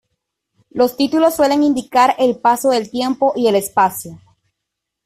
Los títulos suelen indicar el paso del tiempo y el espacio.